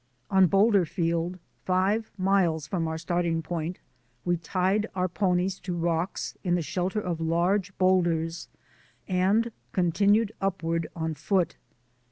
On Boulderfield, five miles from our starting point, we tied our ponies to rocks in the shelter of large boulders and continued upward on foot.